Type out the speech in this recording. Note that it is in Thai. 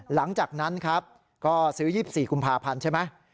หลังจากนั้นครับก็ซื้อ๒๔กุมภาพันธ์ใช่ไหม